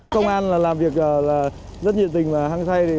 công an làm việc rất nhiệt tình và hăng say